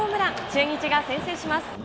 中日が先制します。